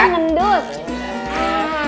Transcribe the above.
ini pak d ngedut